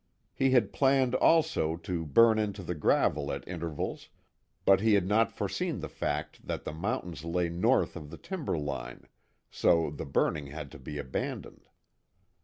He had planned, also, to burn into the gravel at intervals, but he had not foreseen the fact that the mountains lay north of the timber line, so the burning had to be abandoned.